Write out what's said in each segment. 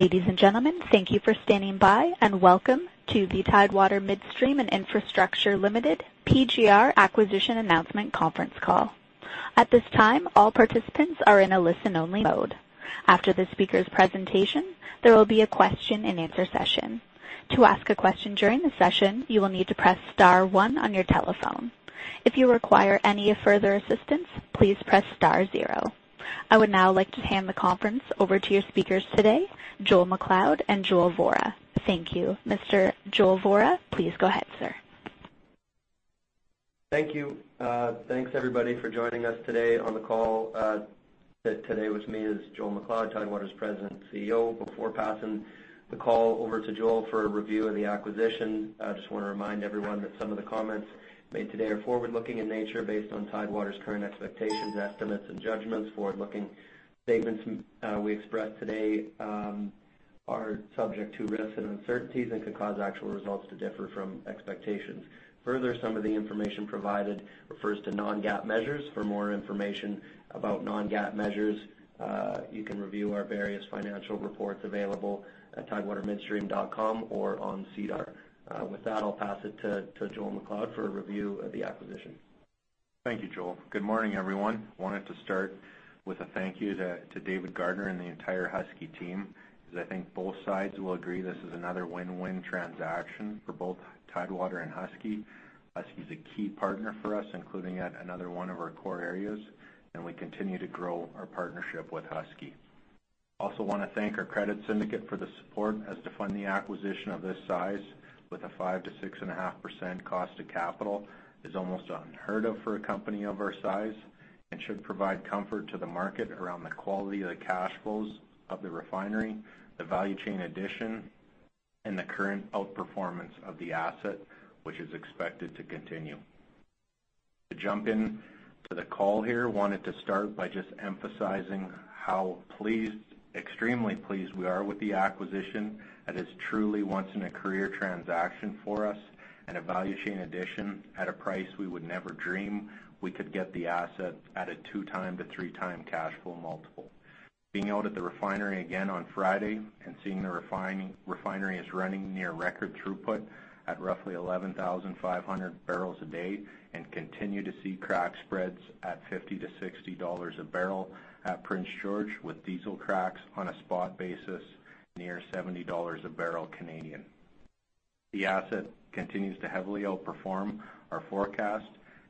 Ladies and gentlemen, thank you for standing by, and welcome to the Tidewater Midstream and Infrastructure Ltd. PGR Acquisition Announcement conference call. At this time, all participants are in a listen-only mode. After the speaker's presentation, there will be a question and answer session. To ask a question during the session, you will need to press star one on your telephone. If you require any further assistance, please press star zero. I would now like to hand the conference over to your speakers today, Joel MacLeod and Joel Vorra. Thank you. Mr. Joel Vorra, please go ahead, sir. Thank you. Thanks everybody for joining us today on the call. Today with me is Joel MacLeod, Tidewater's President and CEO. Before passing the call over to Joel for a review of the acquisition, I just want to remind everyone that some of the comments made today are forward-looking in nature based on Tidewater's current expectations, estimates, and judgments. Forward-looking statements we express today are subject to risks and uncertainties and could cause actual results to differ from expectations. Further, some of the information provided refers to non-GAAP measures. For more information about non-GAAP measures, you can review our various financial reports available at tidewatermidstream.com or on SEDAR. With that, I'll pass it to Joel MacLeod for a review of the acquisition. Thank you, Joel. Good morning, everyone. I wanted to start with a thank you to David Gardner and the entire Husky team, because I think both sides will agree this is another win-win transaction for both Tidewater and Husky. Husky's a key partner for us, including at another one of our core areas, and we continue to grow our partnership with Husky. I also want to thank our credit syndicate for the support as to fund the acquisition of this size with a 5%-6.5% cost of capital is almost unheard of for a company of our size and should provide comfort to the market around the quality of the cash flows of the refinery, the value chain addition, and the current outperformance of the asset, which is expected to continue. To jump into the call here, wanted to start by just emphasizing how extremely pleased we are with the acquisition, that is truly once in a career transaction for us and a value chain addition at a price we would never dream we could get the asset at a 2-time to 3-time cash flow multiple. Being out at the refinery again on Friday and seeing the refinery is running near record throughput at roughly 11,500 barrels a day and continue to see crack spreads at 50 to 60 dollars a barrel at Prince George with diesel cracks on a spot basis near 70 dollars a barrel Canadian. The asset continues to heavily outperform our forecast,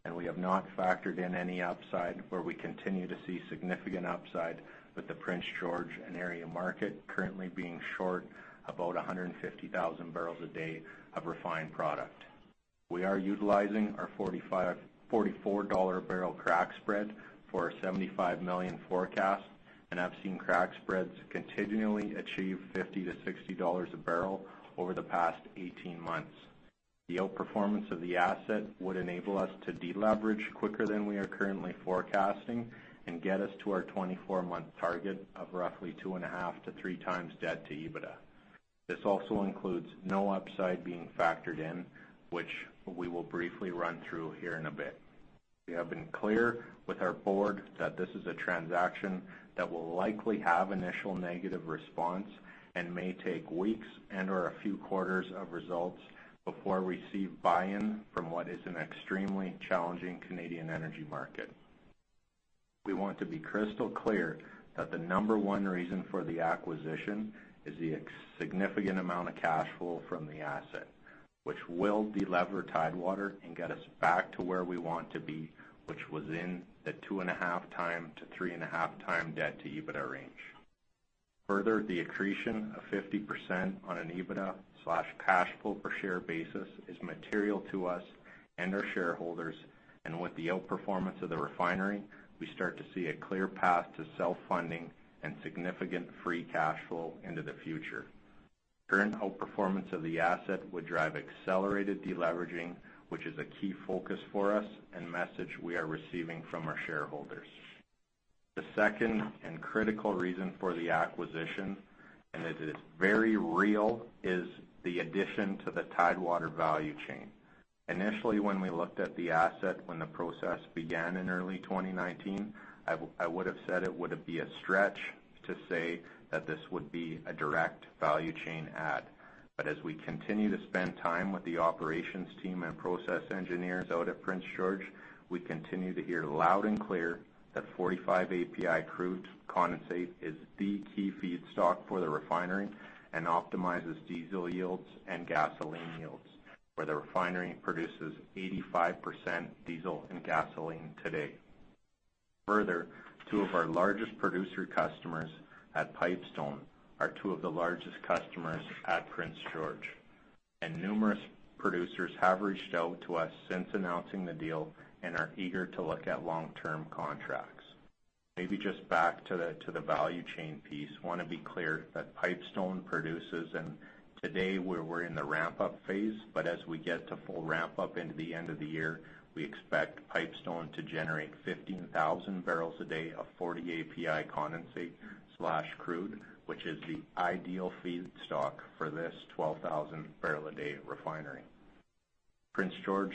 and we have not factored in any upside where we continue to see significant upside with the Prince George and area market currently being short about 150,000 barrels a day of refined product. We are utilizing our 44 dollar a barrel crack spread for our 75 million forecast. I've seen crack spreads continually achieve 50-60 dollars a barrel over the past 18 months. The outperformance of the asset would enable us to deleverage quicker than we are currently forecasting and get us to our 24-month target of roughly two and a half to three times debt to EBITDA. This also includes no upside being factored in, which we will briefly run through here in a bit. We have been clear with our board that this is a transaction that will likely have initial negative response and may take weeks and/or a few quarters of results before we receive buy-in from what is an extremely challenging Canadian energy market. We want to be crystal clear that the number one reason for the acquisition is the significant amount of cash flow from the asset, which will delever Tidewater and get us back to where we want to be, which was in the 2.5 times to 3.5 times debt to EBITDA range. Further, the accretion of 50% on an EBITDA/cash flow per share basis is material to us and our shareholders, and with the outperformance of the refinery, we start to see a clear path to self-funding and significant free cash flow into the future. Current outperformance of the asset would drive accelerated deleveraging, which is a key focus for us and message we are receiving from our shareholders. The second and critical reason for the acquisition, and it is very real, is the addition to the Tidewater value chain. Initially, when we looked at the asset when the process began in early 2019, I would've said it would be a stretch to say that this would be a direct value chain add. As we continue to spend time with the operations team and process engineers out at Prince George, we continue to hear loud and clear that 45 API crude condensate is the key feedstock for the refinery and optimizes diesel yields and gasoline yields, where the refinery produces 85% diesel and gasoline today. Further, two of our largest producer customers at Pipestone are two of the largest customers at Prince George, and numerous producers have reached out to us since announcing the deal and are eager to look at long-term contracts. Maybe just back to the value chain piece, I want to be clear that Pipestone produces, and today we're in the ramp-up phase, but as we get to full ramp-up into the end of the year, we expect Pipestone to generate 15,000 barrels a day of 40 API condensate/crude, which is the ideal feedstock for this 12,000 barrel a day refinery. Prince George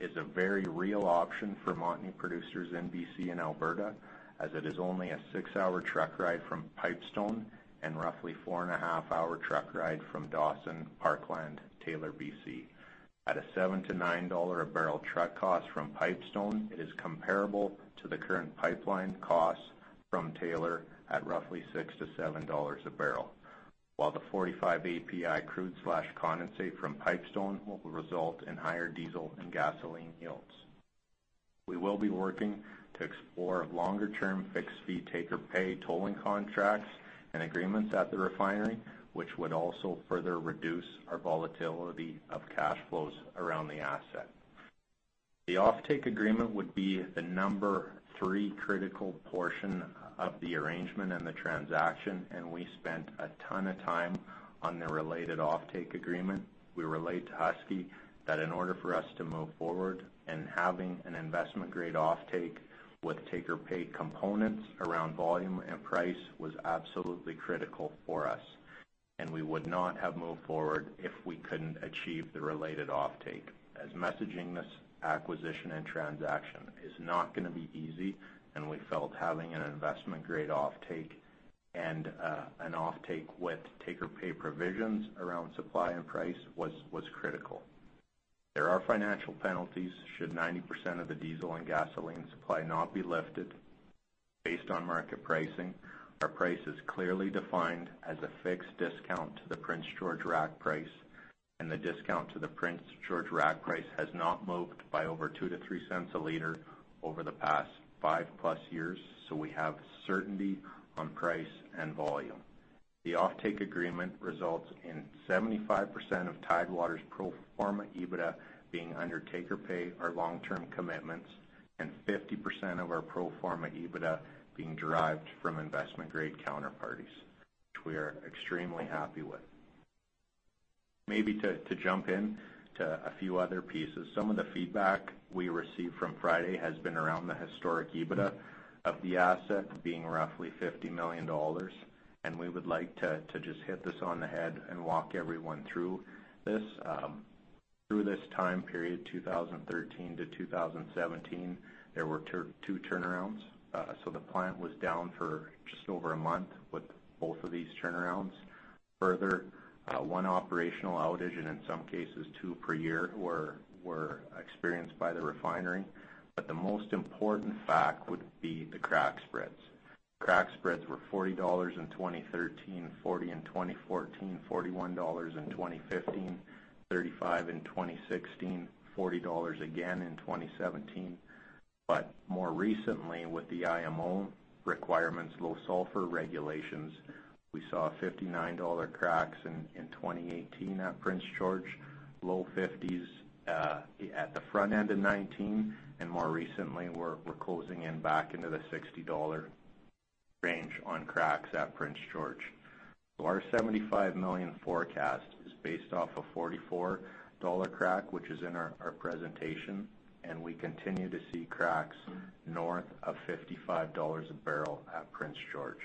is a very real option for Montney producers in B.C. and Alberta, as it is only a six-hour truck ride from Pipestone and roughly a four-and-a-half-hour truck ride from Dawson, Parkland, Taylor, B.C. At a 7-9 dollar a barrel truck cost from Pipestone, it is comparable to the current pipeline costs from Taylor at roughly CAD 6-CAD 7 a barrel. While the 45 API crude/condensate from Pipestone will result in higher diesel and gasoline yields. We will be working to explore longer-term fixed fee take-or-pay tolling contracts and agreements at the refinery, which would also further reduce our volatility of cash flows around the asset. The offtake agreement would be the number 3 critical portion of the arrangement and the transaction. We spent a ton of time on the related offtake agreement. We relayed to Husky that in order for us to move forward and having an investment-grade offtake with take-or-pay components around volume and price was absolutely critical for us. We would not have moved forward if we couldn't achieve the related offtake, as messaging this acquisition and transaction is not going to be easy. We felt having an investment-grade offtake and an offtake with take-or-pay provisions around supply and price was critical. There are financial penalties should 90% of the diesel and gasoline supply not be lifted based on market pricing. Our price is clearly defined as a fixed discount to the Prince George rack price, and the discount to the Prince George rack price has not moved by over 0.02-0.03 a liter over the past five-plus years, so we have certainty on price and volume. The offtake agreement results in 75% of Tidewater's pro forma EBITDA being under take-or-pay or long-term commitments and 50% of our pro forma EBITDA being derived from investment-grade counterparties, which we are extremely happy with. To jump in to a few other pieces. Some of the feedback we received from Friday has been around the historic EBITDA of the asset being roughly 50 million dollars. We would like to just hit this on the head and walk everyone through this. Through this time period, 2013 to 2017, there were two turnarounds. The plant was down for just over a month with both of these turnarounds. Further, one operational outage, and in some cases, two per year were experienced by the refinery. The most important fact would be the crack spreads. Crack spreads were 40 dollars in 2013, 40 in 2014, 41 dollars in 2015, 35 in 2016, 40 dollars again in 2017. More recently, with the IMO requirements, low sulfur regulations, we saw 59 dollar cracks in 2018 at Prince George, CAD 50s at the front end of '19, and more recently, we're closing in back into the 60 dollar range on cracks at Prince George. Our 75 million forecast is based off a 44 dollar crack, which is in our presentation, and we continue to see cracks north of 55 dollars a barrel at Prince George.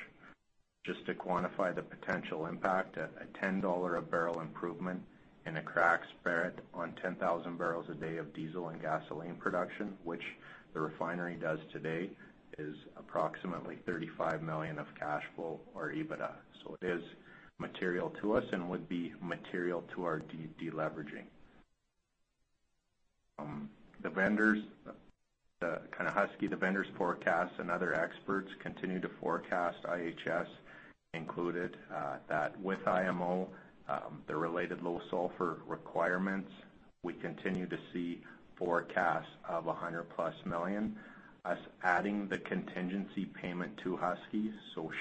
Just to quantify the potential impact, a 10 dollar a barrel improvement in a crack spread on 10,000 barrels a day of diesel and gasoline production, which the refinery does today, is approximately 35 million of cash flow or EBITDA. It is material to us and would be material to our de-leveraging. Husky, the vendors forecast and other experts continue to forecast, IHS included, that with IMO, the related low sulfur requirements, we continue to see forecasts of 100-plus million, us adding the contingency payment to Husky.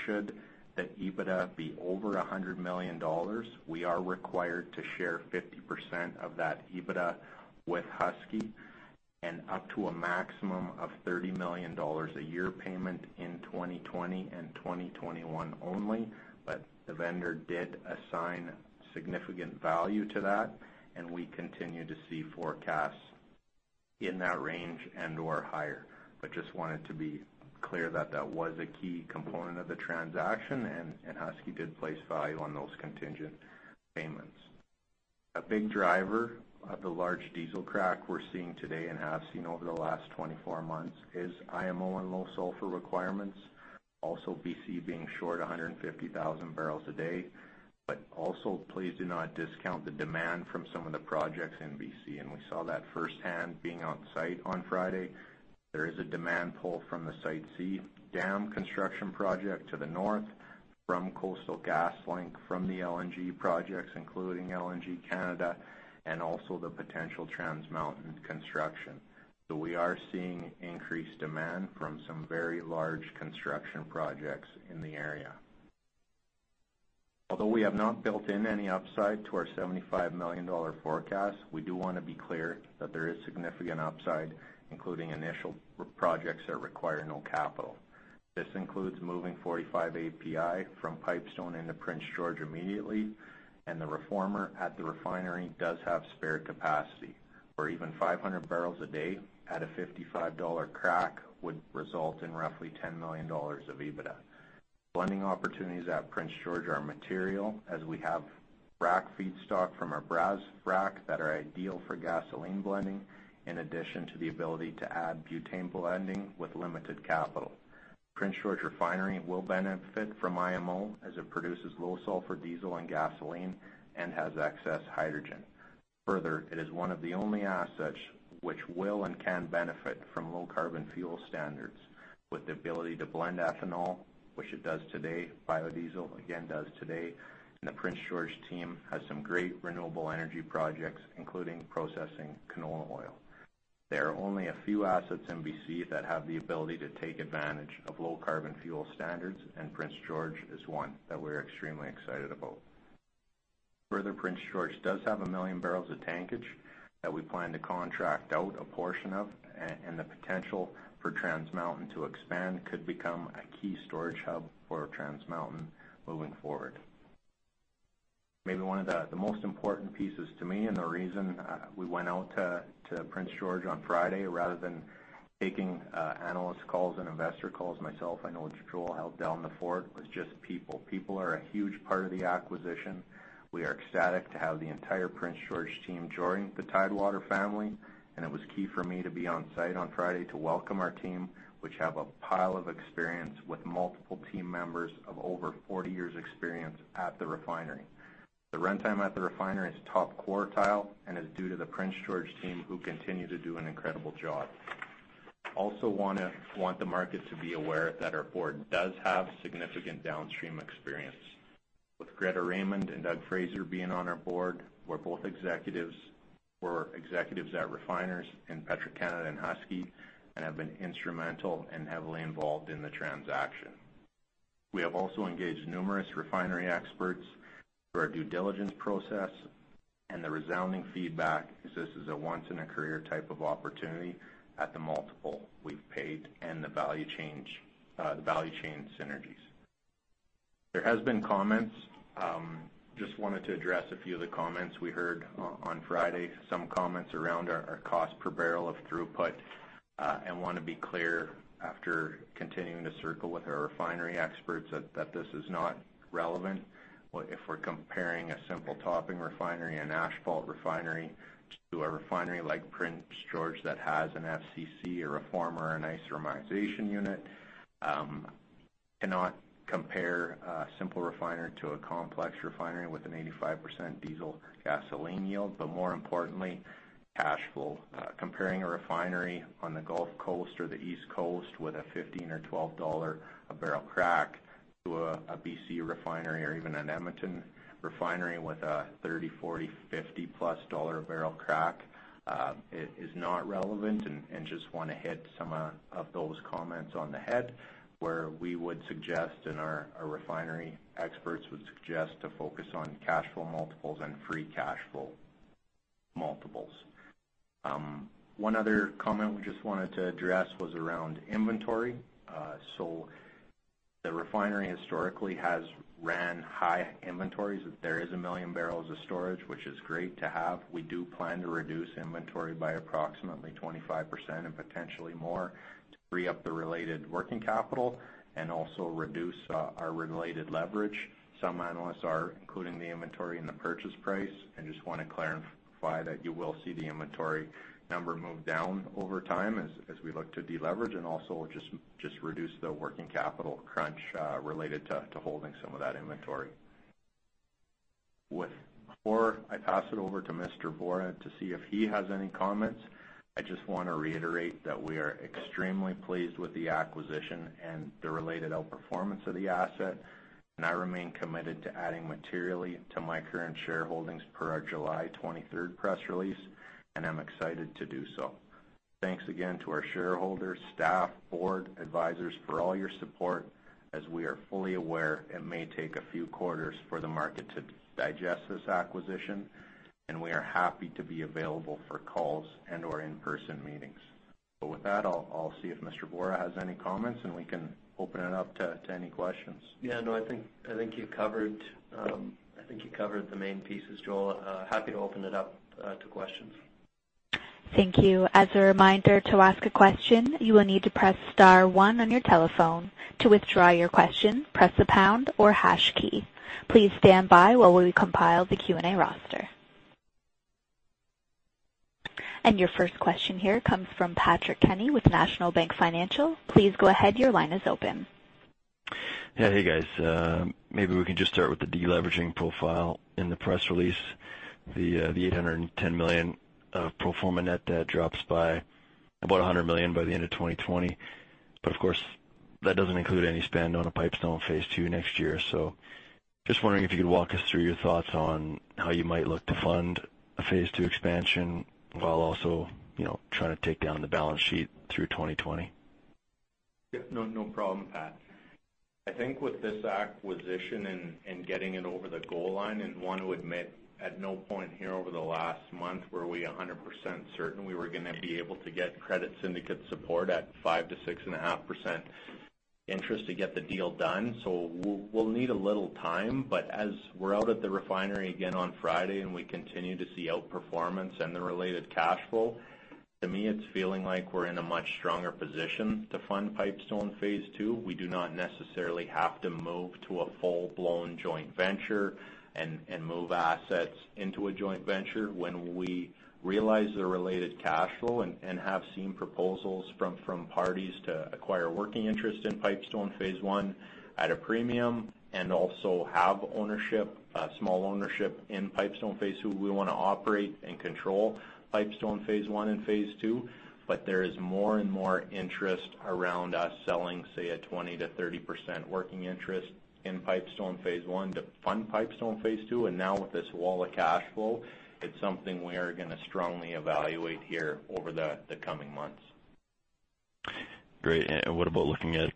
Should the EBITDA be over 100 million dollars, we are required to share 50% of that EBITDA with Husky and up to a maximum of 30 million dollars a year payment in 2020 and 2021 only. The vendor did assign significant value to that, and we continue to see forecasts in that range and/or higher. Just wanted to be clear that that was a key component of the transaction and Husky did place value on those contingent payments. A big driver of the large diesel crack we're seeing today and have seen over the last 24 months is IMO and low sulfur requirements. Also, B.C. being short 150,000 barrels a day. Also, please do not discount the demand from some of the projects in B.C., and we saw that firsthand being on-site on Friday. There is a demand pull from the Site C dam construction project to the north from Coastal GasLink from the LNG projects, including LNG Canada, and also the potential Trans Mountain construction. We are seeing increased demand from some very large construction projects in the area. Although we have not built in any upside to our 75 million dollar forecast, we do want to be clear that there is significant upside, including initial projects that require no capital. This includes moving 45 API from Pipestone into Prince George immediately, and the reformer at the refinery does have spare capacity, where even 500 barrels a day at a 55 dollar crack would result in roughly 10 million dollars of EBITDA. Blending opportunities at Prince George are material as we have rack feedstock from our Brazeau rack that are ideal for gasoline blending, in addition to the ability to add butane blending with limited capital. Prince George Refinery will benefit from IMO as it produces low sulfur diesel and gasoline and has excess hydrogen. It is one of the only assets which will and can benefit from Low Carbon Fuel Standards with the ability to blend ethanol, which it does today, biodiesel, again, does today. The Prince George team has some great renewable energy projects, including processing canola oil. There are only a few assets in B.C. that have the ability to take advantage of Low Carbon Fuel Standards, and Prince George is one that we're extremely excited about. Prince George does have 1 million barrels of tankage that we plan to contract out a portion of, and the potential for Trans Mountain to expand could become a key storage hub for Trans Mountain moving forward. Maybe one of the most important pieces to me and the reason we went out to Prince George on Friday rather than taking analyst calls and investor calls myself, I know Joel held down the fort, was just people. People are a huge part of the acquisition. We are ecstatic to have the entire Prince George team join the Tidewater family, and it was key for me to be on site on Friday to welcome our team, which have a pile of experience with multiple team members of over 40 years experience at the refinery. The runtime at the refinery is top quartile and is due to the Prince George team, who continue to do an incredible job. Also want the market to be aware that our board does have significant downstream experience. With Greta Raymond and Doug Fraser being on our board, were executives at refiners in Petro-Canada and Husky and have been instrumental and heavily involved in the transaction. We have also engaged numerous refinery experts through our due diligence process, and the resounding feedback is this is a once in a career type of opportunity at the multiple we've paid and the value chain synergies. There has been comments. Just wanted to address a few of the comments we heard on Friday, some comments around our cost per barrel of throughput, and want to be clear, after continuing to circle with our refinery experts, that this is not relevant. If we're comparing a simple topping refinery, an asphalt refinery to a refinery like Prince George that has an FCC, a reformer, an isomerization unit. Cannot compare a simple refinery to a complex refinery with an 85% diesel gasoline yield, more importantly, cash flow. Comparing a refinery on the Gulf Coast or the East Coast with a 15 or 12 dollar a barrel crack to a B.C. refinery or even an Edmonton refinery with a 30, 40, 50+ dollar barrel crack, is not relevant. Just wanna hit some of those comments on the head where we would suggest, and our refinery experts would suggest to focus on cash flow multiples and free cash flow multiples. One other comment we just wanted to address was around inventory. The refinery historically has ran high inventories. There is 1 million barrels of storage, which is great to have. We do plan to reduce inventory by approximately 25% and potentially more to free up the related working capital and also reduce our related leverage. Some analysts are including the inventory in the purchase price. I just want to clarify that you will see the inventory number move down over time as we look to deleverage and also just reduce the working capital crunch, related to holding some of that inventory. Before I pass it over to Mr. Vorra to see if he has any comments, I just want to reiterate that we are extremely pleased with the acquisition and the related outperformance of the asset, and I remain committed to adding materially to my current shareholdings per our July 23rd press release, and I'm excited to do so. Thanks again to our shareholders, staff, board, advisors for all your support. As we are fully aware, it may take a few quarters for the market to digest this acquisition, and we are happy to be available for calls and/or in-person meetings. With that, I'll see if Mr. Vorra has any comments, and we can open it up to any questions. Yeah, no, I think you covered the main pieces, Joel. Happy to open it up to questions. Thank you. As a reminder, to ask a question, you will need to press *1 on your telephone. To withdraw your question, press the pound or hash key. Please stand by while we compile the Q&A roster. Your first question here comes from Patrick Kenny with National Bank Financial. Please go ahead. Your line is open. Yeah. Hey, guys. Maybe we can just start with the deleveraging profile. In the press release, the 810 million of pro forma net debt drops by about 100 million by the end of 2020. Of course, that doesn't include any spend on the pipestone phase 2 next year. Just wondering if you could walk us through your thoughts on how you might look to fund a phase 2 expansion while also trying to take down the balance sheet through 2020. Yeah, no problem, Pat. Want to admit, at no point here over the last month were we 100% certain we were gonna be able to get credit syndicate support at 5%-6.5% interest to get the deal done. We'll need a little time, but as we're out at the refinery again on Friday and we continue to see outperformance and the related cash flow, to me, it's feeling like we're in a much stronger position to fund Pipestone phase 2. We do not necessarily have to move to a full-blown joint venture and move assets into a joint venture when we realize the related cash flow and have seen proposals from parties to acquire working interest in Pipestone phase 1 at a premium, and also have small ownership in Pipestone phase 2. We want to operate and control Pipestone phase one and phase two, but there is more and more interest around us selling, say, a 20%-30% working interest in Pipestone phase one to fund Pipestone phase two. Now with this wall of cash flow, it's something we are going to strongly evaluate here over the coming months. Great. What about looking at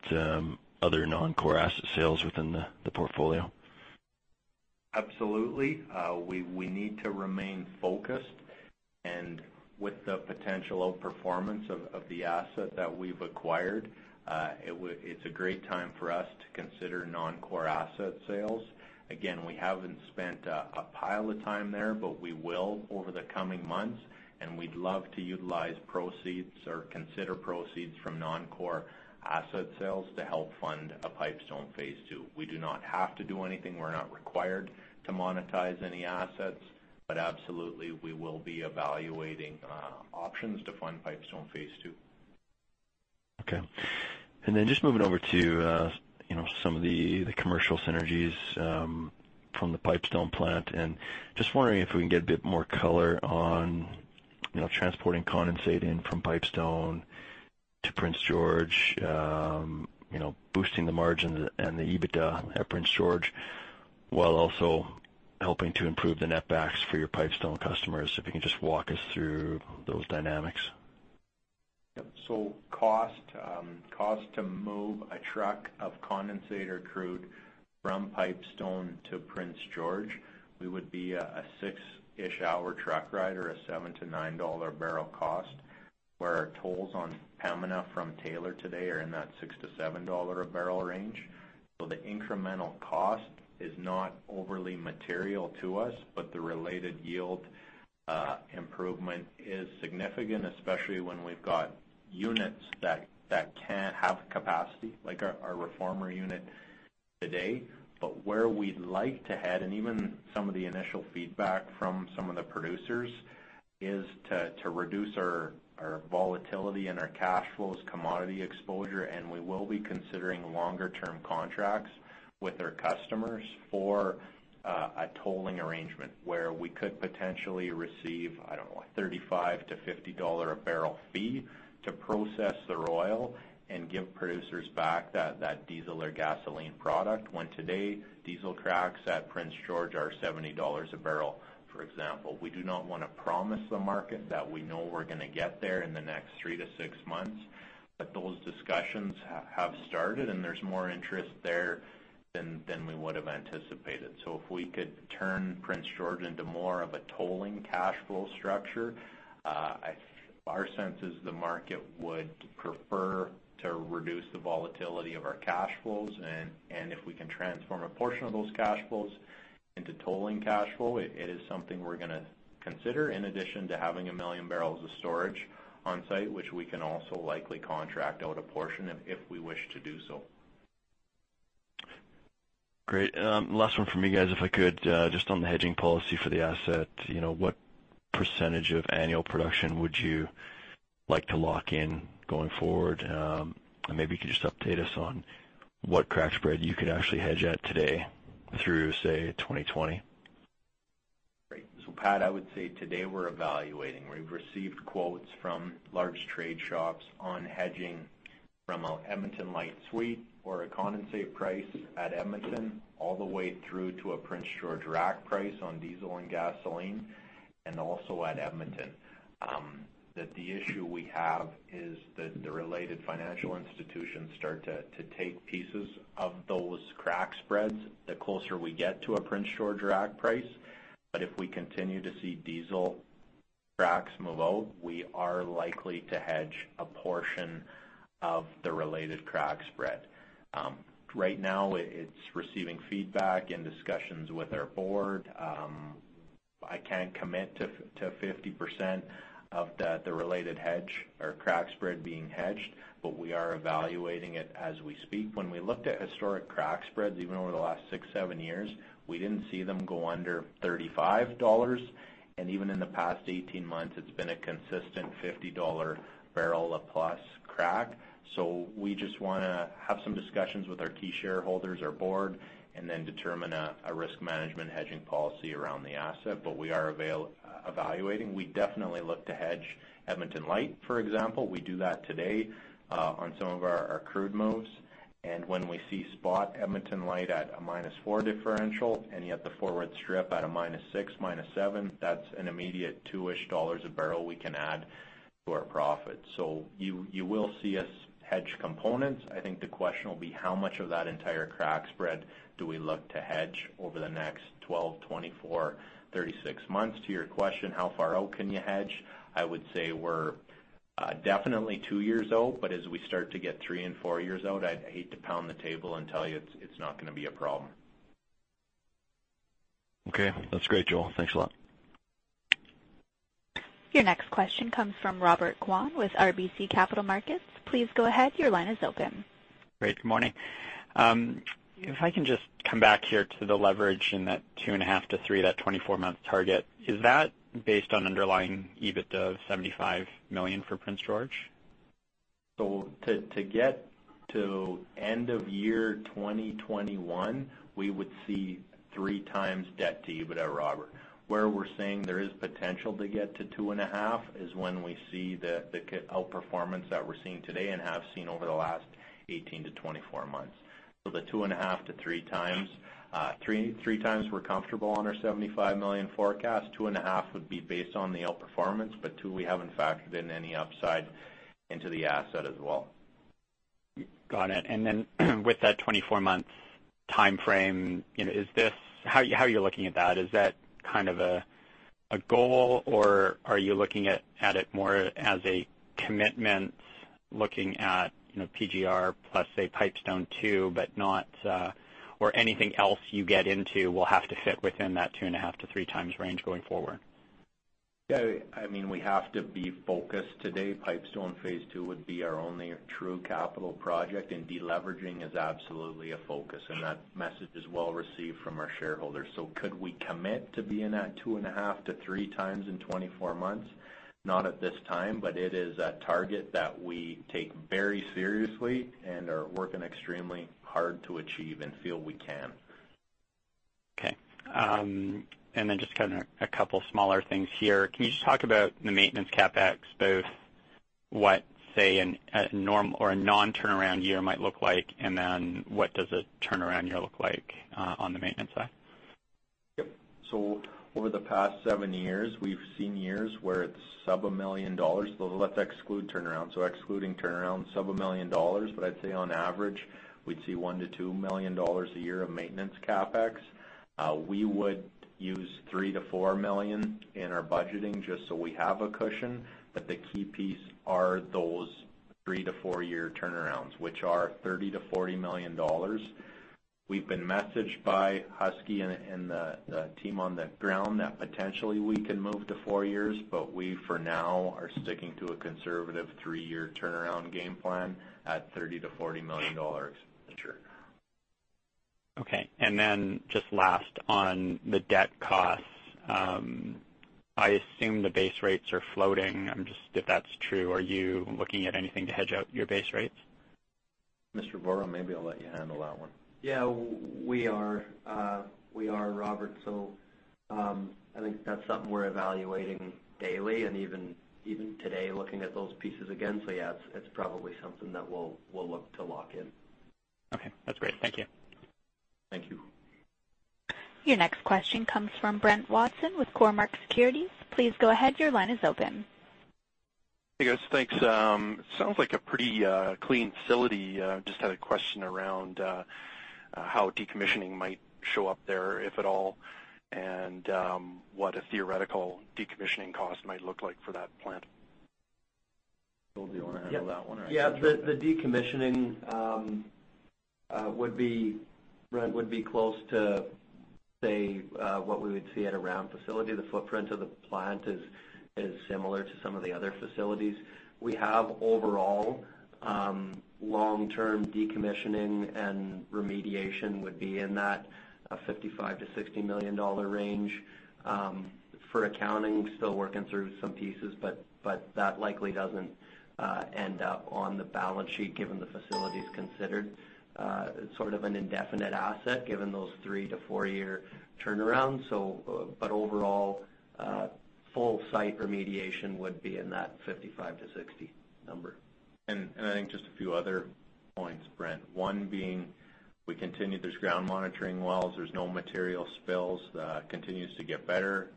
other non-core asset sales within the portfolio? Absolutely. We need to remain focused, and with the potential outperformance of the asset that we've acquired, it's a great time for us to consider non-core asset sales. Again, we haven't spent a pile of time there, but we will over the coming months, and we'd love to utilize proceeds or consider proceeds from non-core asset sales to help fund a Pipestone phase two. We do not have to do anything. We're not required to monetize any assets. Absolutely, we will be evaluating options to fund Pipestone phase two. Just moving over to some of the commercial synergies from the Pipestone plant, and just wondering if we can get a bit more color on transporting condensate in from Pipestone to Prince George, boosting the margins and the EBITDA at Prince George, while also helping to improve the net backs for your Pipestone customers. If you can just walk us through those dynamics. Yep. Cost to move a truck of condensate or crude from Pipestone to Prince George, we would be a six-ish hour truck ride or a 7-9 dollar a barrel cost, where our tolls on Pembina from Taylor today are in that 6-7 dollar a barrel range. The incremental cost is not overly material to us, but the related yield improvement is significant, especially when we've got units that can have capacity, like our reformer unit today. Where we'd like to head, and even some of the initial feedback from some of the producers, is to reduce our volatility and our cash flows commodity exposure, and we will be considering longer-term contracts with our customers for a tolling arrangement where we could potentially receive, I don't know, a 35-50 dollar a barrel fee to process their oil and give producers back that diesel or gasoline product, when today, diesel cracks at Prince George are 70 dollars a barrel, for example. We do not want to promise the market that we know we're going to get there in the next three to six months. Those discussions have started, and there's more interest there than we would've anticipated. If we could turn Prince George into more of a tolling cash flow structure, our sense is the market would prefer to reduce the volatility of our cash flows. If we can transform a portion of those cash flows into tolling cash flow, it is something we're going to consider, in addition to having 1 million barrels of storage on-site, which we can also likely contract out a portion if we wish to do so. Great. Last one from me, guys, if I could, just on the hedging policy for the asset. What % of annual production would you like to lock in going forward? Maybe you could just update us on what crack spread you could actually hedge at today through, say, 2020. Great. Pat, I would say today we're evaluating. We've received quotes from large trade shops on hedging from an Edmonton Light Sweet or a condensate price at Edmonton, all the way through to a Prince George rack price on diesel and gasoline, and also at Edmonton. The issue we have is that the related financial institutions start to take pieces of those crack spreads the closer we get to a Prince George rack price. If we continue to see diesel cracks move out, we are likely to hedge a portion of the related crack spread. Right now, it's receiving feedback and discussions with our board. I can't commit to 50% of the related hedge or crack spread being hedged. We are evaluating it as we speak. When we looked at historic crack spreads, even over the last six, seven years, we didn't see them go under 35 dollars. Even in the past 18 months, it's been a consistent 50 dollar barrel or plus crack. We just want to have some discussions with our key shareholders, our board, and then determine a risk management hedging policy around the asset. We are evaluating. We definitely look to hedge Edmonton Light, for example. We do that today on some of our crude moves. When we see spot Edmonton Light at a minus four differential, and yet the forward strip at a minus six, minus seven, that's an immediate two-ish CAD a barrel we can add to our profit. You will see us hedge components. I think the question will be how much of that entire crack spread do we look to hedge over the next 12, 24, 36 months? To your question, how far out can you hedge? I would say we're definitely two years out, but as we start to get three and four years out, I'd hate to pound the table and tell you it's not going to be a problem. Okay. That's great, Joel. Thanks a lot. Your next question comes from Robert Kwan with RBC Capital Markets. Please go ahead. Your line is open. Great. Good morning. If I can just come back here to the leverage in that two and a half to three, that 24-month target. Is that based on underlying EBITDA of 75 million for Prince George? To get to end of year 2021, we would see 3 times debt to EBITDA, Robert. Where we're saying there is potential to get to 2.5 is when we see the outperformance that we're seeing today and have seen over the last 18-24 months. The 2.5-3 times. 3 times, we're comfortable on our 75 million forecast. 2.5 would be based on the outperformance, but 2, we haven't factored in any upside into the asset as well. Got it. With that 24 months timeframe, how are you looking at that? Is that a goal, or are you looking at it more as a commitment, looking at PGR plus, say, Pipestone 2, anything else you get into will have to fit within that two and a half to three times range going forward? I mean, we have to be focused today. Pipestone Phase Two would be our only true capital project, and de-leveraging is absolutely a focus, and that message is well received from our shareholders. Could we commit to being at 2.5-3 times in 24 months? Not at this time, it is a target that we take very seriously and are working extremely hard to achieve and feel we can. Okay. Just a couple smaller things here. Can you just talk about the maintenance CapEx, both what, say, a non-turnaround year might look like, and then what does a turnaround year look like on the maintenance side? Yep. Over the past seven years, we've seen years where it's sub 1 million dollars. Let's exclude turnaround. Excluding turnaround, sub 1 million dollars. I'd say on average, we'd see 1 million-2 million dollars a year of maintenance CapEx. We would use 3 million-4 million in our budgeting just so we have a cushion. The key piece are those three to four-year turnarounds, which are 30 million-40 million dollars. We've been messaged by Husky and the team on the ground that potentially we can move to four years, we, for now, are sticking to a conservative three-year turnaround game plan at 30 million-40 million dollars a year. Okay. Just last on the debt costs. I assume the base rates are floating. If that's true, are you looking at anything to hedge out your base rates? Mr. Vorra, maybe I'll let you handle that one. Yeah, we are, Robert. I think that's something we're evaluating daily and even today, looking at those pieces again. Yeah, it's probably something that we'll look to lock in. Okay. That's great. Thank you. Thank you. Your next question comes from Brent Watson with Cormark Securities. Please go ahead. Your line is open. Hey, guys. Thanks. Sounds like a pretty clean facility. Just had a question around how decommissioning might show up there, if at all, and what a theoretical decommissioning cost might look like for that plant. Joel, do you want to handle that one or- Yeah. The decommissioning, Brent, would be close to, say, what we would see at a Ram facility. The footprint of the plant is similar to some of the other facilities. We have overall long-term decommissioning and remediation would be in that 55 million-60 million dollar range. For accounting, we're still working through some pieces, but that likely doesn't end up on the balance sheet given the facility's considered sort of an indefinite asset, given those three to four-year turnarounds. Overall, full site remediation would be in that 55 million-60 million. I think just a few other points, Brent. One being there's ground monitoring wells. There's no material spills. That continues to get better.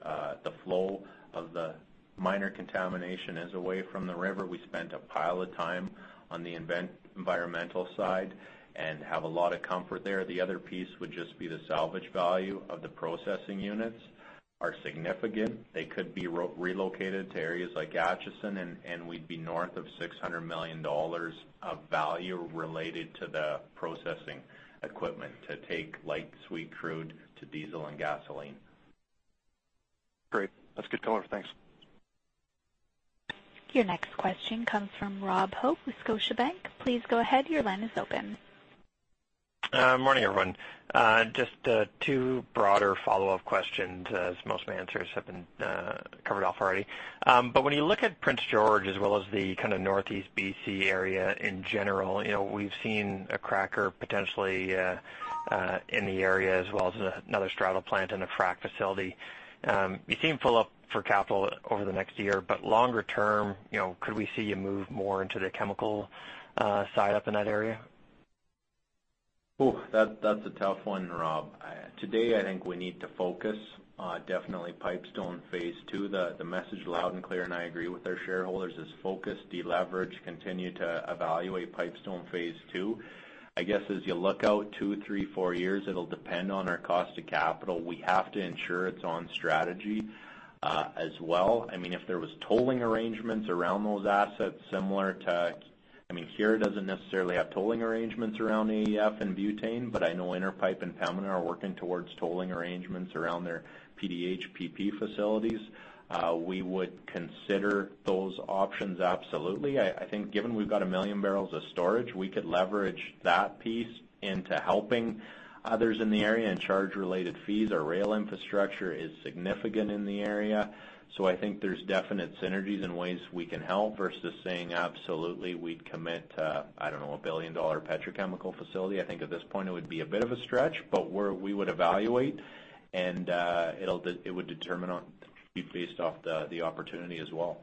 The flow of the minor contamination is away from the river. We spent a pile of time on the environmental side and have a lot of comfort there. The other piece would just be the salvage value of the processing units are significant. They could be relocated to areas like Acheson, and we'd be north of 600 million dollars of value related to the processing equipment to take light sweet crude to diesel and gasoline. Great. That's a good color. Thanks. Your next question comes from Robert Hope with Scotiabank. Please go ahead. Your line is open. Morning, everyone. Just two broader follow-up questions, as most of my answers have been covered off already. When you look at Prince George as well as the kind of Northeast B.C. area in general, we've seen a cracker potentially in the area as well as another straddle plant and a frack facility. You seem full up for capital over the next year, but longer term, could we see you move more into the chemical side up in that area? That's a tough one, Rob. Today, I think we need to focus. Definitely Pipestone phase 2. The message loud and clear, and I agree with our shareholders, is focus, deleverage, continue to evaluate Pipestone phase 2. I guess, as you look out two, three, four years, it'll depend on our cost of capital. We have to ensure it's on strategy as well. If there were tolling arrangements around those assets. Here, it doesn't necessarily have tolling arrangements around AEF and butane, but I know Inter Pipeline and Pembina are working towards tolling arrangements around their PDH/PP facilities. We would consider those options, absolutely. I think given we've got 1 million barrels of storage, we could leverage that piece into helping others in the area and charge related fees. Our rail infrastructure is significant in the area. I think there's definite synergies and ways we can help versus saying, absolutely, we'd commit, I don't know, a billion-dollar petrochemical facility. I think at this point it would be a bit of a stretch, but we would evaluate, and it would be based off the opportunity as well.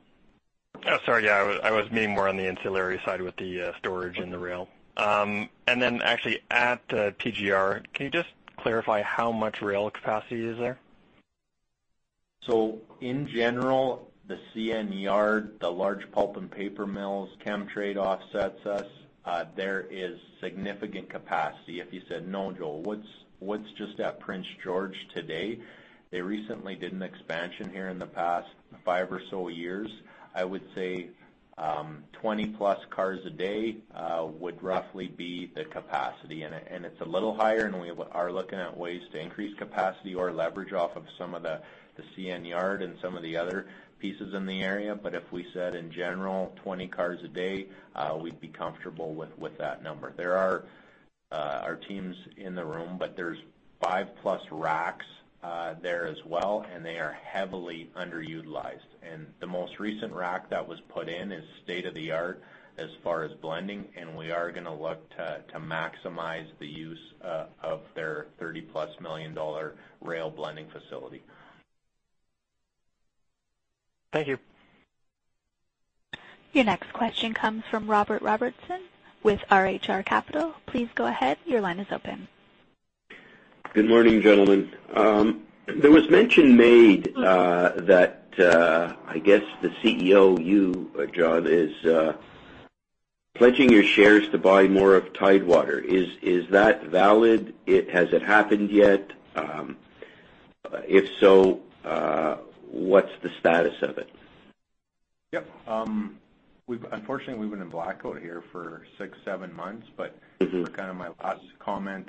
Oh, sorry. Yeah. I was meaning more on the ancillary side with the storage and the rail. Actually at PGR, can you just clarify how much rail capacity is there? In general, the CN yard, the large pulp and paper mills, Chemtrade offsets us. There is significant capacity. If you said, "No, Joel, what's just at Prince George today?" They recently did an expansion here in the past five or so years. I would say, 20-plus cars a day would roughly be the capacity in it. It's a little higher, and we are looking at ways to increase capacity or leverage off of some of the CN yard and some of the other pieces in the area. If we said in general 20 cars a day, we'd be comfortable with that number. There are teams in the room, but there's five-plus racks there as well, and they are heavily underutilized. The most recent rack that was put in is state-of-the-art as far as blending, and we are going to look to maximize the use of their 30-plus million dollar rail blending facility. Thank you. Your next question comes from Robert Robertson with RHR Capital. Please go ahead. Your line is open. Good morning, gentlemen. There was mention made that, I guess, the CEO, you, Joel, is pledging your shares to buy more of Tidewater. Is that valid? Has it happened yet? If so, what's the status of it? Yep. Unfortunately, we've been in blackout here for six, seven months. That was my last comment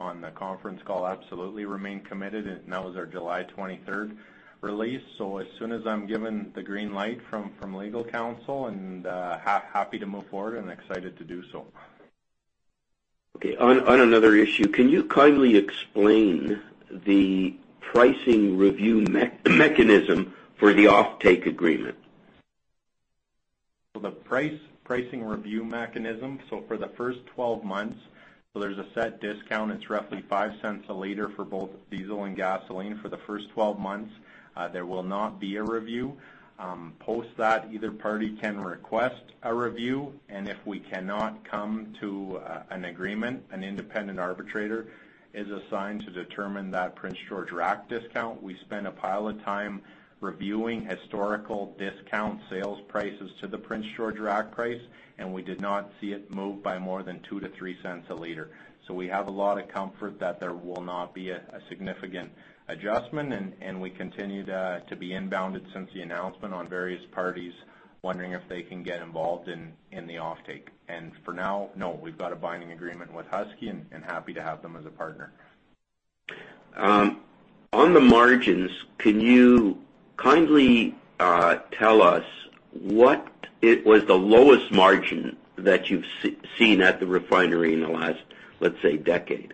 on the conference call. Absolutely remain committed. That was our July 23rd release. As soon as I'm given the green light from legal counsel, and happy to move forward and excited to do so. Okay. On another issue, can you kindly explain the pricing review mechanism for the offtake agreement? The pricing review mechanism. For the first 12 months, there is a set discount. It is roughly 0.05 a liter for both diesel and gasoline for the first 12 months. There will not be a review. Post that, either party can request a review, and if we cannot come to an agreement, an independent arbitrator is assigned to determine that Prince George rack discount. We spent a pile of time reviewing historical discount sales prices to the Prince George rack price, and we did not see it move by more than 0.02-0.03 a liter. We have a lot of comfort that there will not be a significant adjustment, and we continue to be inbounded since the announcement on various parties wondering if they can get involved in the offtake. For now, no, we've got a binding agreement with Husky and happy to have them as a partner. On the margins, can you kindly tell us what was the lowest margin that you've seen at the refinery in the last, let's say, decade?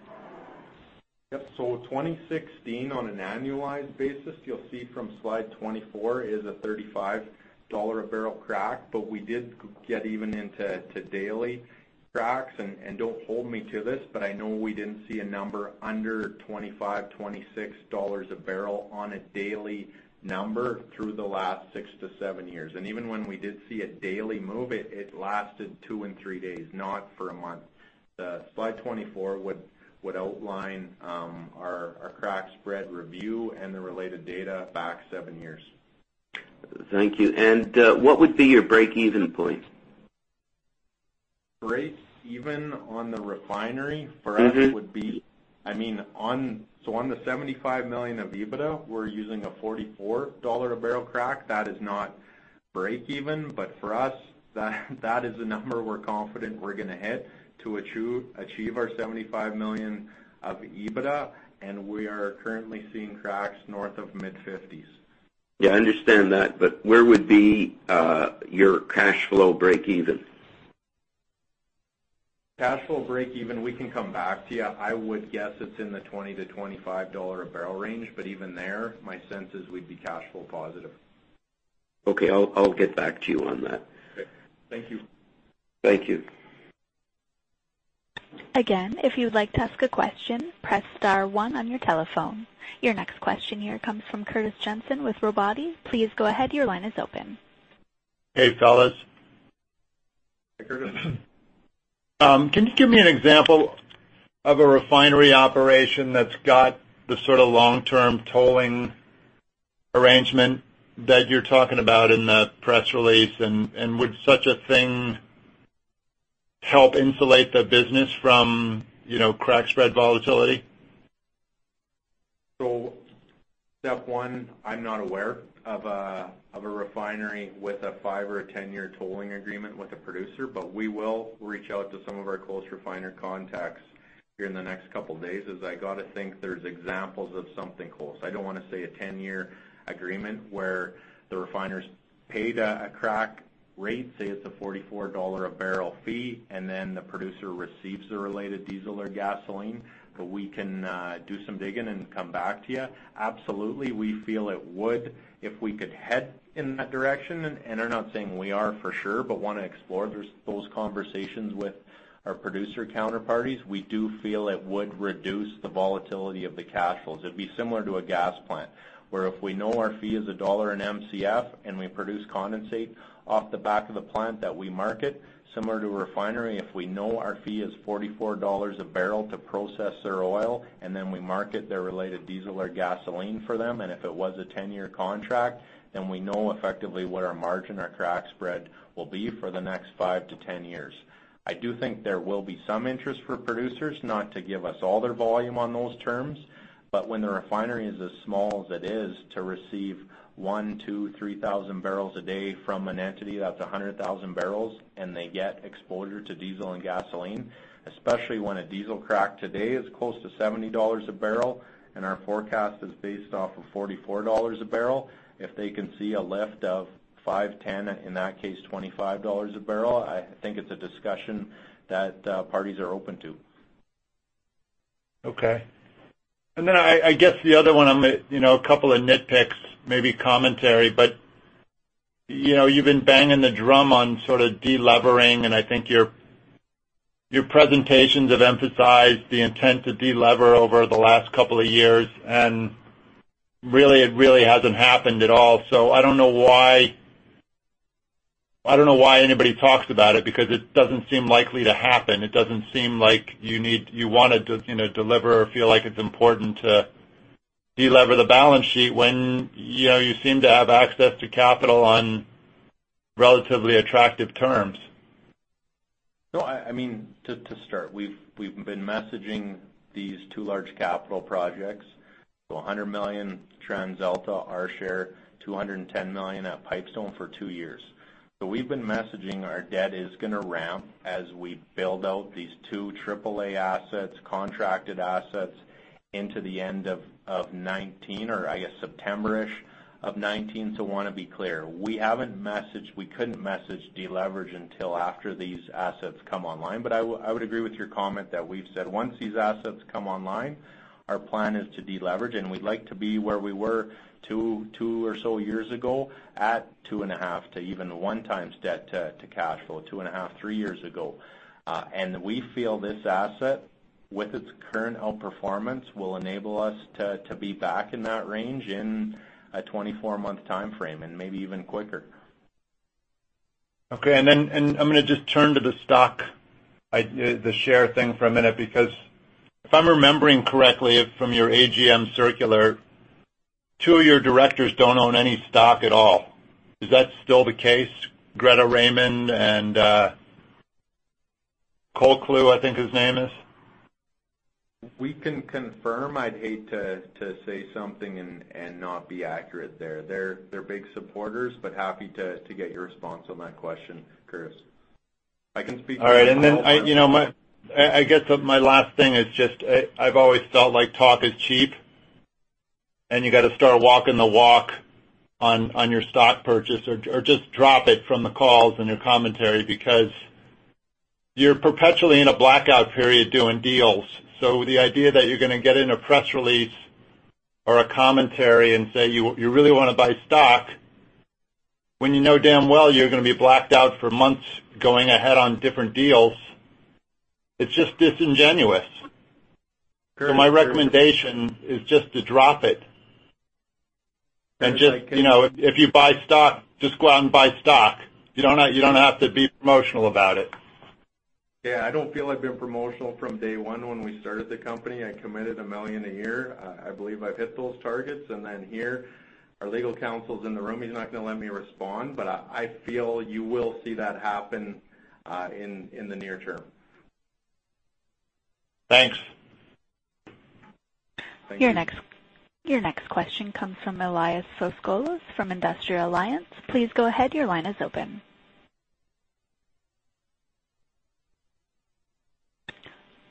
Yep. 2016, on an annualized basis, you'll see from slide 24, is a 35 dollar a barrel crack, but we did get even into daily cracks. Don't hold me to this, but I know we didn't see a number under 25, 26 dollars a barrel on a daily number through the last six to seven years. Even when we did see a daily move, it lasted two and three days, not for a month. Slide 24 would outline our crack spread review and the related data back seven years. Thank you. What would be your break-even point? On the 75 million of EBITDA, we're using a 44 dollar a barrel crack. That is not break even, but for us, that is a number we're confident we're going to hit to achieve our 75 million of EBITDA, and we are currently seeing cracks north of mid-50s. Yeah, I understand that, where would be your cash flow break even? Cash flow break even, we can come back to you. I would guess it's in the 20-25 dollar a barrel range, but even there, my sense is we'd be cash flow positive. Okay. I'll get back to you on that. Okay. Thank you. Thank you. Again, if you would like to ask a question, press star 1 on your telephone. Your next question here comes from Curtis Jensen with Robotti. Please go ahead. Your line is open. Hey, fellas. Hi, Curtis. Can you give me an example of a refinery operation that's got the sort of long-term tolling arrangement that you're talking about in the press release? Would such a thing help insulate the business from crack spread volatility? Step one, I'm not aware of a refinery with a five or a 10-year tolling agreement with a producer, but we will reach out to some of our close refiner contacts here in the next couple of days, as I got to think there's examples of something close. I don't want to say a 10-year agreement where the refiners paid a crack rate, say it's a 44 dollar a barrel fee, and then the producer receives the related diesel or gasoline. We can do some digging and come back to you. Absolutely, we feel it would, if we could head in that direction, and I'm not saying we are for sure, but want to explore those conversations with our producer counterparties. We do feel it would reduce the volatility of the cash flows. It'd be similar to a gas plant, where if we know our fee is CAD 1 in MCF and we produce condensate off the back of the plant that we market. Similar to a refinery, if we know our fee is 44 dollars a barrel to process their oil, and then we market their related diesel or gasoline for them, and if it was a 10-year contract, then we know effectively what our margin, our crack spread, will be for the next five to 10 years. I do think there will be some interest for producers, not to give us all their volume on those terms. When the refinery is as small as it is to receive one, two, 3,000 barrels a day from an entity that's 100,000 barrels, and they get exposure to diesel and gasoline, especially when a diesel crack today is close to 70 dollars a barrel, and our forecast is based off of 44 dollars a barrel. If they can see a lift of five, 10, in that case, 25 dollars a barrel, I think it's a discussion that parties are open to. Okay. I guess the other one, a couple of nitpicks, maybe commentary, but you've been banging the drum on sort of de-levering, and I think your presentations have emphasized the intent to de-lever over the last couple of years, and really, it really hasn't happened at all. I don't know why anybody talks about it, because it doesn't seem likely to happen. It doesn't seem like you want to de-lever or feel like it's important to de-lever the balance sheet when you seem to have access to capital on relatively attractive terms. To start, we've been messaging these two large capital projects. 100 million TransAlta, our share, 210 million at Pipestone for two years. We've been messaging our debt is going to ramp as we build out these two triple-A assets, contracted assets into the end of 2019 or I guess September-ish of 2019. Want to be clear, we couldn't message de-leverage until after these assets come online. I would agree with your comment that we've said once these assets come online, our plan is to de-leverage, and we'd like to be where we were two or so years ago at 2.5 to even 1 times debt to cash flow, 2.5, 3 years ago. We feel this asset, with its current outperformance, will enable us to be back in that range in a 24-month timeframe and maybe even quicker. Okay, I'm going to just turn to the stock, the share thing for a minute, because if I'm remembering correctly from your AGM circular, two of your directors don't own any stock at all. Is that still the case? Greta Raymond and Colcleugh, I think his name is. We can confirm. I'd hate to say something and not be accurate there. They're big supporters, but happy to get your response on that question, Curtis. I can speak to that. All right. I guess my last thing is just I've always felt like talk is cheap, and you got to start walking the walk on your stock purchase or just drop it from the calls in your commentary because you're perpetually in a blackout period doing deals. The idea that you're going to get in a press release or a commentary and say you really want to buy stock when you know damn well you're going to be blacked out for months going ahead on different deals, it's just disingenuous. My recommendation is just to drop it. If you buy stock, just go out and buy stock. You don't have to be promotional about it. Yeah, I don't feel I've been promotional from day one when we started the company. I committed 1 million a year. I believe I've hit those targets. Here, our legal counsel's in the room. He's not going to let me respond, but I feel you will see that happen in the near term. Thanks. Thank you. Your next question comes from Elias Foscolos from Industrial Alliance. Please go ahead, your line is open.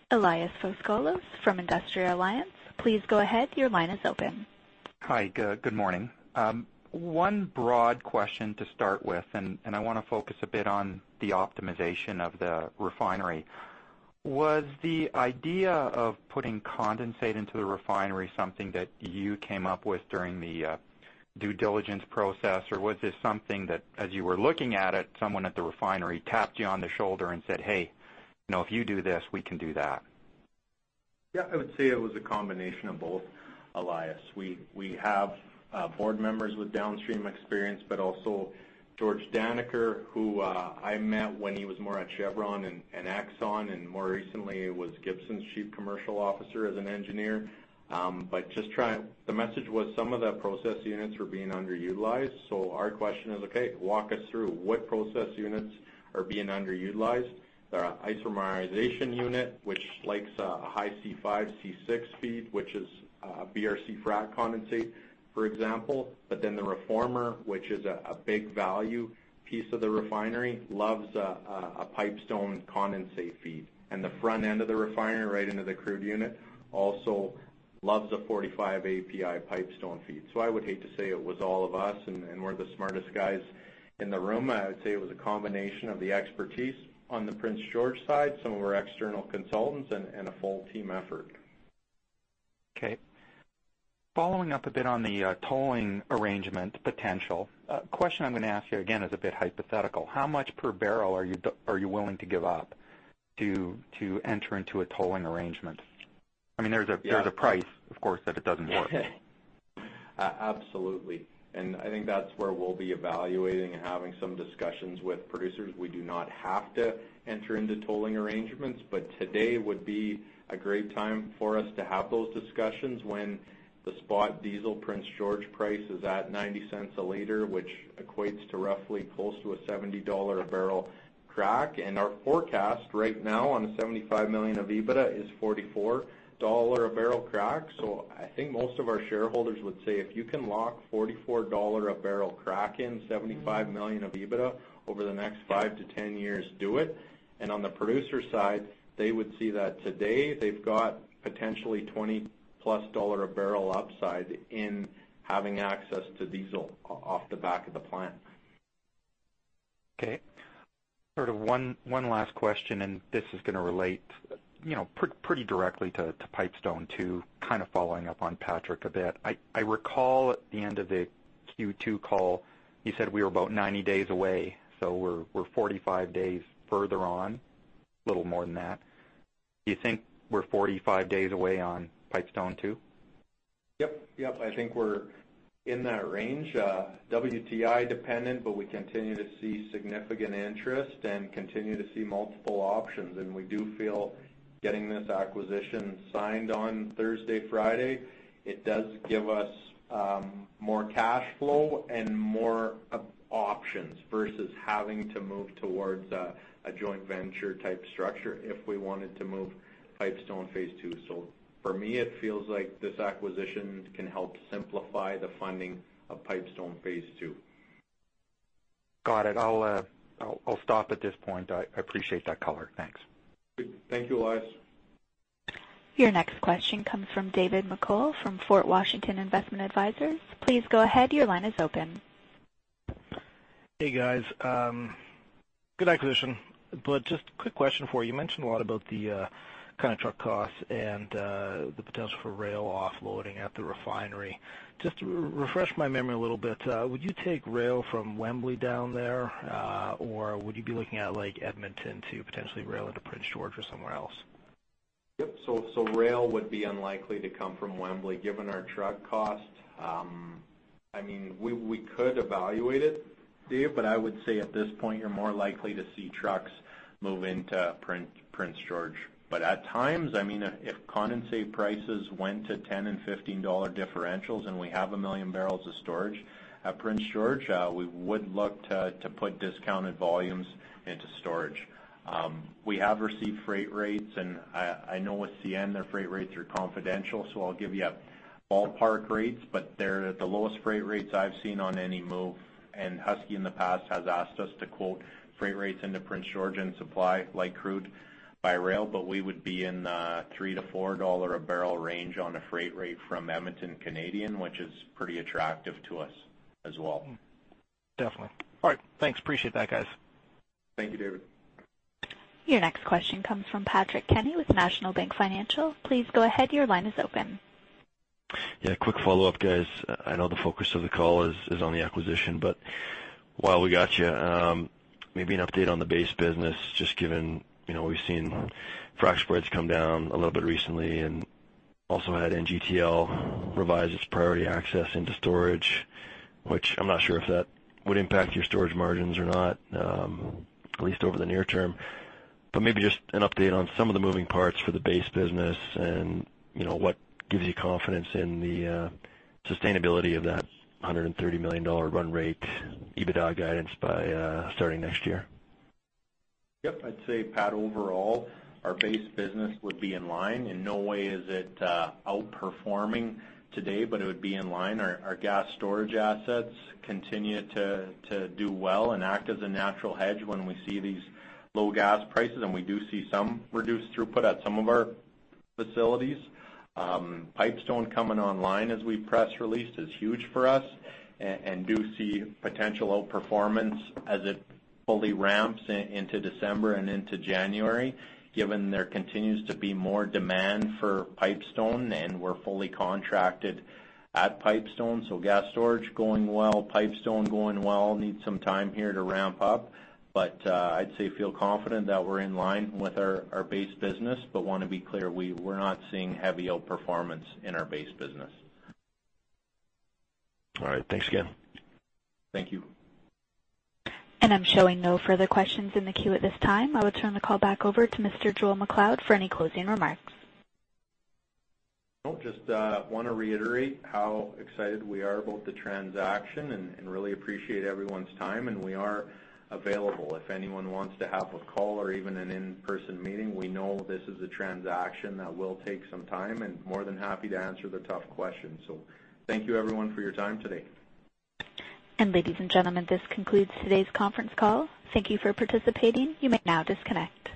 Hi, good morning. One broad question to start with. I want to focus a bit on the optimization of the refinery. Was the idea of putting condensate into the refinery something that you came up with during the due diligence process, or was this something that, as you were looking at it, someone at the refinery tapped you on the shoulder and said, "Hey, if you do this, we can do that"? Yeah, I would say it was a combination of both, Elias. Also George Daneker, who I met when he was more at Chevron and Exxon, and more recently was Gibson's Chief Commercial Officer as an engineer. The message was some of the process units were being underutilized. Our question is, okay, walk us through what process units are being underutilized. There are isomerization unit, which likes a high C5, C6 feed, which is BRC frac condensate, for example. The reformer, which is a big value piece of the refinery, loves a pipestone condensate feed. The front end of the refinery right into the crude unit also loves a 45 API pipestone feed. I would hate to say it was all of us, and we're the smartest guys in the room. I would say it was a combination of the expertise on the Prince George side, some of our external consultants, and a full team effort. Okay. Following up a bit on the tolling arrangement potential, a question I'm going to ask you, again, is a bit hypothetical. How much per barrel are you willing to give up to enter into a tolling arrangement? There's a price, of course, that it doesn't work. Absolutely. I think that's where we'll be evaluating and having some discussions with producers. We do not have to enter into tolling arrangements, but today would be a great time for us to have those discussions when the spot diesel Prince George price is at 0.90 a liter, which equates to roughly close to a $70 a barrel crack. Our forecast right now on the 75 million of EBITDA is $44 a barrel crack. I think most of our shareholders would say, if you can lock $44 a barrel crack in 75 million of EBITDA over the next 5 to 10 years, do it. On the producer side, they would see that today they've got potentially 20-plus dollar a barrel upside in having access to diesel off the back of the plant. Okay. Sort of one last question, this is going to relate pretty directly to Pipestone two, kind of following up on Patrick a bit. I recall at the end of the Q2 call, you said we were about 90 days away. We're 45 days further on, a little more than that. Do you think we're 45 days away on Pipestone two? Yep. I think we're in that range. WTI dependent, but we continue to see significant interest and continue to see multiple options. We do feel getting this acquisition signed on Thursday, Friday, it does give us more cash flow and more options versus having to move towards a joint venture type structure if we wanted to move Pipestone phase two. For me, it feels like this acquisition can help simplify the funding of Pipestone phase two. Got it. I'll stop at this point. I appreciate that color. Thanks. Thank you, Elias. Your next question comes from David McColl from Fort Washington Investment Advisors. Please go ahead, your line is open. Hey, guys. Good acquisition, but just quick question for you. You mentioned a lot about the contract costs and the potential for rail offloading at the refinery. Just to refresh my memory a little bit, would you take rail from Wembley down there? Would you be looking at Edmonton to potentially rail into Prince George or somewhere else? Yep. Rail would be unlikely to come from Wembley given our truck cost. We could evaluate it, Dave, I would say at this point, you're more likely to see trucks move into Prince George. At times, if condensate prices went to 10 and 15 dollar differentials and we have 1 million barrels of storage at Prince George, we would look to put discounted volumes into storage. We have received freight rates, I know with CN, their freight rates are confidential, I'll give you ballpark rates, they're the lowest freight rates I've seen on any move. Husky in the past has asked us to quote freight rates into Prince George and supply light crude by rail, we would be in the 3 to 4 dollar a barrel range on a freight rate from Edmonton Canadian, which is pretty attractive to us as well. Definitely. All right, thanks. Appreciate that, guys. Thank you, David. Your next question comes from Patrick Kenny with National Bank Financial. Please go ahead, your line is open. Yeah, quick follow-up, guys. I know the focus of the call is on the acquisition, but while we got you, maybe an update on the base business, just given we've seen frac spreads come down a little bit recently and also had NGTL revise its priority access into storage, which I'm not sure if that would impact your storage margins or not, at least over the near term. Maybe just an update on some of the moving parts for the base business and what gives you confidence in the sustainability of that 130 million dollar run rate EBITDA guidance by starting next year. Yep. I'd say, Pat, overall, our base business would be in line. In no way is it outperforming today, it would be in line. Our gas storage assets continue to do well and act as a natural hedge when we see these low gas prices, we do see some reduced throughput at some of our facilities. Pipestone coming online as we press released is huge for us, do see potential outperformance as it fully ramps into December and into January, given there continues to be more demand for Pipestone, we're fully contracted at Pipestone. Gas storage going well, Pipestone going well, need some time here to ramp up. I'd say feel confident that we're in line with our base business, want to be clear, we're not seeing heavy outperformance in our base business. All right. Thanks again. Thank you. I'm showing no further questions in the queue at this time. I will turn the call back over to Mr. Joel MacLeod for any closing remarks. Just want to reiterate how excited we are about the transaction, and really appreciate everyone's time, and we are available if anyone wants to have a call or even an in-person meeting. We know this is a transaction that will take some time, and more than happy to answer the tough questions. Thank you everyone for your time today. Ladies and gentlemen, this concludes today's conference call. Thank you for participating. You may now disconnect.